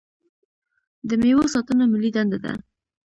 د میوو ساتنه ملي دنده ده.